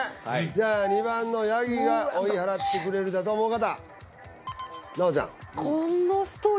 じゃあ２番のヤギが追い払ってくれるだと思う方奈央ちゃん